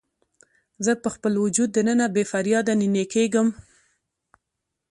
زه په خپل وجود دننه بې فریاده نینې کیږم